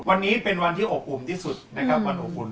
วันนี้เป็นวันที่อบอุ่นที่สุดนะครับวันอบอุ่น